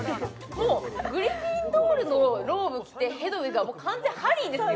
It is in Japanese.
もうグリフィンドールのローブ着てヘドウィグはもう完全ハリーですよ